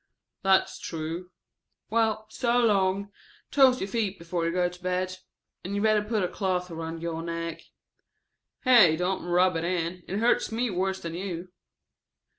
"That's true." ("Well, so long. Toast your feet before you go to bed. And you'd better put a cloth around your neck.") "Here, don't rub it in. It hurts me worse than you."